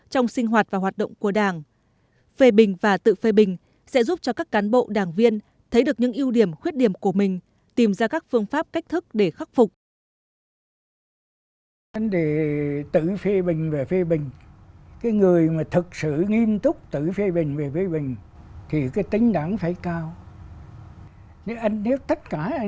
trong sinh hoạt và hoạt động của đảng phê bình và tự phê bình sẽ giúp cho các cán bộ đảng viên thấy được những ưu điểm khuyết điểm của mình tìm ra các phương pháp cách thức để khắc phục